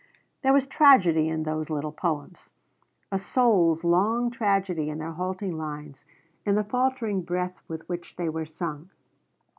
There was tragedy in those little poems a soul's long tragedy in their halting lines, in the faltering breath with which they were sung.